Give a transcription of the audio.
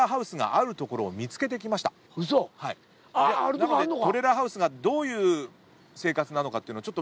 なのでトレーラーハウスがどういう生活なのかというのちょっと。